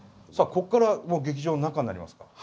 さあこっからもう劇場の中になりますか。